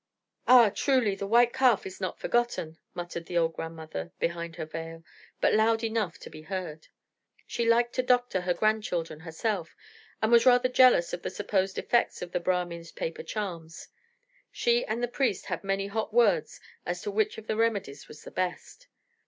"Ah, truly, the white calf is not forgotten," muttered the old grandmother behind her veil, but loud enough to be heard. She liked to doctor her grandchildren herself; and was rather jealous of the supposed effects of the Brahmin's paper charms. She and the priest had many hot words as to which of their remedies was the best.